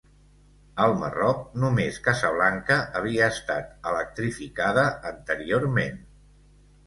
Al Marroc, només Casablanca havia estat electrificada anteriorment.